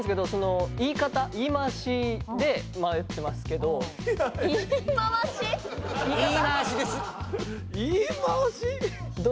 言い回しです。